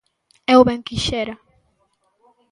_Eu ben quixera...